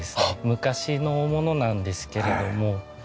昔のものなんですけれどもはい。